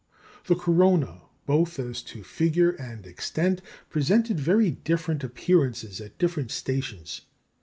The corona, both as to figure and extent, presented very different appearances at different stations.